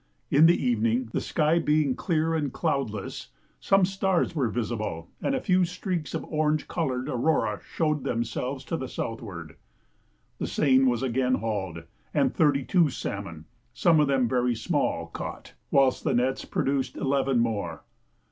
In the evening, the sky being clear and cloudless, some stars were visible, and a few streaks of orange coloured aurora showed themselves to the southward. The seine was again hauled, and thirty two salmon (some of them very small) caught, whilst the nets produced eleven more.